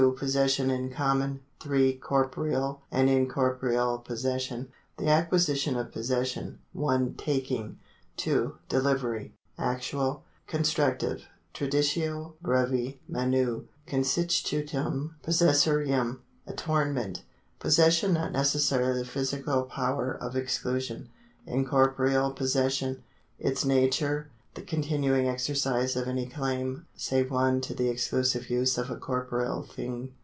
Possession in common. 3. Corporeal and incorporeal possession, The acquisition of possession : ri. Taking < ("Actual \2. Delivery ! TTraditio brevi manu. (^Constructive | Constitutum possessorium. 1^ Attornment. Possession not essentially the physical power of exclusion. Incorporeal possession : Its nature — the continuing exercise of any claim, save one to the exclusive use of a corporeal thing.